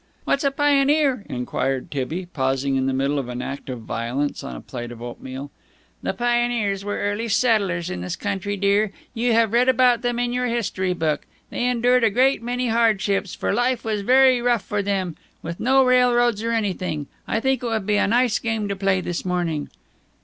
"What's a pioneer?" enquired Tibby, pausing in the middle of an act of violence on a plate of oatmeal. "The pioneers were the early settlers in this country, dear. You have read about them in your history book. They endured a great many hardships, for life was very rough for them, with no railroads or anything. I think it would be a nice game to play this morning."